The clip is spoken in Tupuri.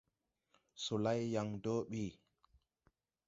Solay yàŋ dɔɔ ɓi.